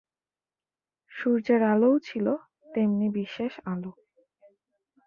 সূর্যের আলোও ছিল তেমনি বিশেষ আলো।